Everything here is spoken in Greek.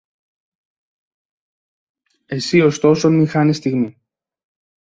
Εσύ ωστόσο μη χάνεις στιγμή.